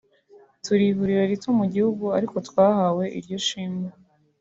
turi ivuriro rito mu gihugu ariko twahawe iryo shimwe